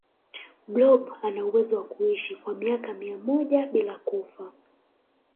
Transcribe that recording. blob anawezo kuishi kwa miaka mia moja bila kufa